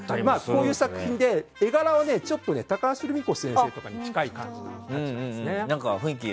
こういう作品で絵柄は高橋留美子先生に近い感じですね。